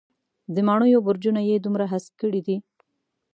د ماڼېیو برجونه یې دومره هسک کړي دی.